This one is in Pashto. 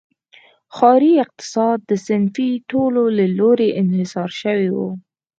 ښاري اقتصاد د صنفي ټولنو له لوري انحصار شوی و.